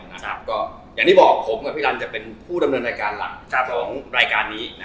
ก็อย่างที่บอกผมกับพี่รันจะเป็นผู้ดำเนินรายการหลักของรายการนี้